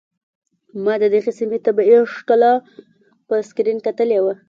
ما د دغې سيمې طبيعي ښکلا په سکرين کتلې وه.